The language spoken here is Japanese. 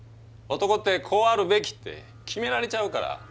男ってこうあるべきって決められちゃうから。